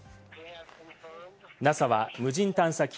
ＮＡＳＡは無人探査機